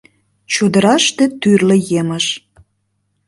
Чодыраште тӱрлӧ емыж